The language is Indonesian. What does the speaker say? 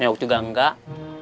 nih aku juga enggak